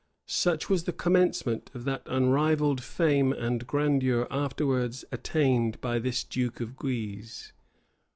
Such was the commencement of that unrivalled fame and grandeur afterwards attained by this duke of Guise.